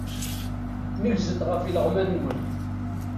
Negzet ɣef ileɣman-nwen.